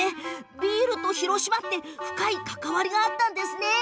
ビールと広島って深い関わりがあったんですね。